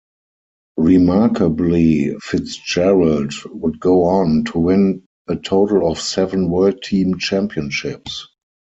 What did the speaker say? Remarkably Fitzgerald would go on to win a total of seven World Team Championships.